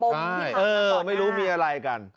ใช่เออไม่รู้มีอะไรกันอืม